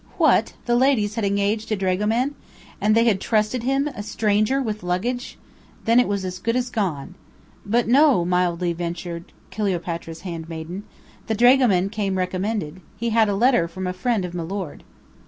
What, the ladies had engaged a dragoman! And they had trusted him a stranger with luggage? Then it was as good as gone! But no, mildly ventured Cleopatra's handmaiden. The dragoman came recommended. He had a letter from a friend of milord.